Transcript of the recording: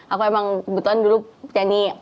aku emang kebetulan dulu nyanyi